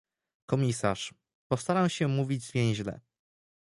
komisarz - Postaram się mówić zwięźle